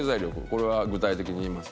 これは具体的に言いますと？